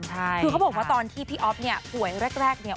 คือเขาบอกว่าตอนที่พี่อ๊อฟเนี่ยป่วยแรกเนี่ย